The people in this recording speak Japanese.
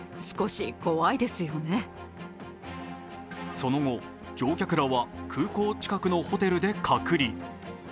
その後、乗客らは空港近くのホテルで隔離。